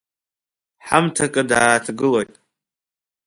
Ҳамҭакы дааҭгылоит.